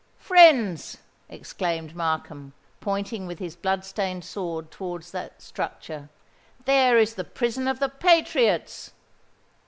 "Friends," exclaimed Markham, pointing with his blood stained sword towards that structure, "there is the prison of the patriots!"